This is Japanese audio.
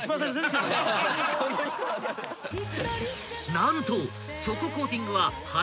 ［何と］